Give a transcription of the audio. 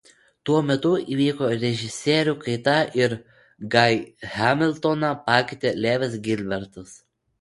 Tuo metu įvyko režisierių kaita ir Guy Hamiltoną pakeitė Lewis Gilbertas.